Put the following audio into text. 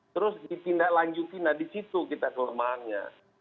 terus ditindaklanjuti nah disitu kita kelemahannya